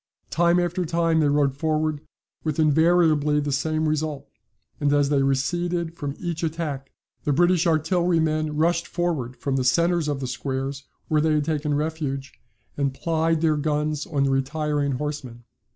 Time after time they rode forward with invariably the same result: and as they receded from each attack the British artillerymen rushed forward from the centres of the squares, where they had taken refuge, and plied their guns on the retiring horsemen.